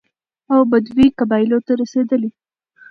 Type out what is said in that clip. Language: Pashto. او بدوي قبايلو ته رسېدلى،